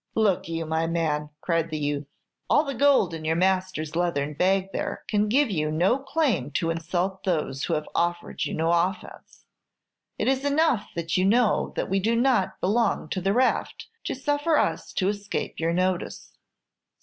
"Look you, my man," cried the youth, "all the gold in your master's leathern bag there can give you no claim to insult those who have offered you no offence. It is enough that you know that we do not belong to the raft to suffer us to escape your notice."